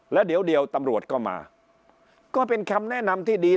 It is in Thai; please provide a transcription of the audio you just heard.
แล้วเดี๋ยวตำรวจก็มาก็เป็นคำแนะนำที่ดี